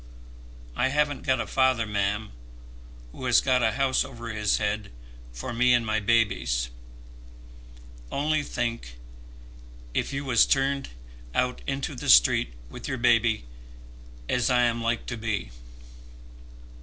I haven't got a father, ma'am, who has got a house over his head for me and my babies. Only think if you was turned out into the street with your babby, as I am like to be."